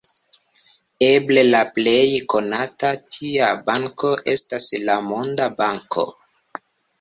Eble la plej konata tia banko estas la Monda Banko.